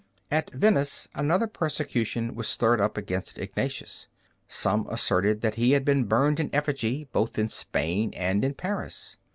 At Venice another persecution was stirred up against Ignatius. Some asserted that he had been burned in effigy both in Spain and in Paris.